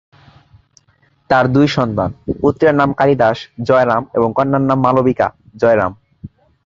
তাঁর দুই সন্তান, পুত্রের নাম কালিদাস জয়রাম এবং কন্যার নাম মালবিকা জয়রাম।